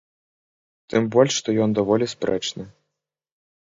Тым больш што ён даволі спрэчны.